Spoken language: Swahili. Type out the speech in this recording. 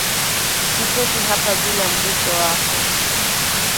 Sitoki hapa bila mguso wako.